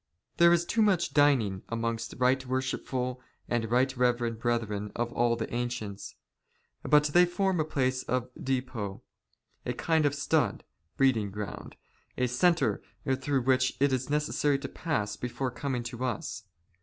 There is too much dining " amongst the right worshipful and right reverend brethren of all " the Ancients. But they form a place of depot, a kind of stud " (breeding ground), a centre through which it is necessary to *' pass before coming to us.